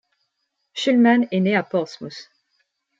Shulman est né à Portsmouth.